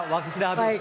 waktunya sudah habis